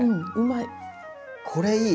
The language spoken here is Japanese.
これいい！